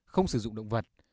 không sử dụng động vật